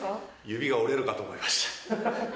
指が折れるかと思いました。